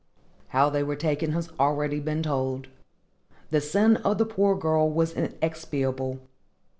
How they were taken has already been told. The sin of the poor girl was inexpiable.